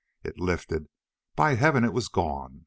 It lifted—by heaven it was gone!